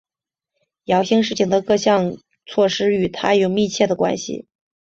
姚兴实行的各项措施与他有密切的关系。